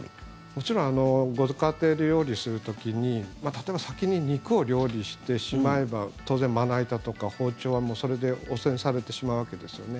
もちろんご家庭で料理する時に例えば先に肉を料理してしまえば当然、まな板とか包丁はそれで汚染されてしまうわけですよね。